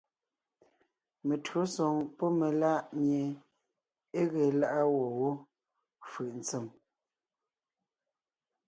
Meÿǒsoŋ pɔ́ melá’ mie é ge lá’a gwɔ̂ wó fʉʼ ntsèm :